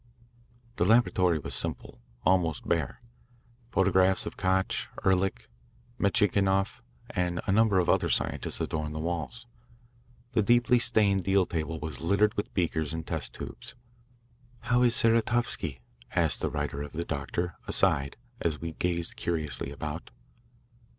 The laboratory was simple, almost bare. Photographs of Koch, Ehrlich, Metchnikoff, and a number of other scientists adorned the walls. The deeply stained deal table was littered with beakers and test tubes. "How is Saratovsky?" asked the writer of the doctor, aside, as we gazed curiously about.